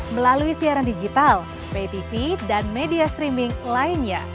melalui siaran digital pay tv dan media streaming lainnya